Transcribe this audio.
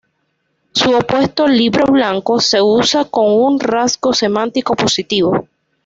Su opuesto, "libro blanco", se usa con un rasgo semántico positivo.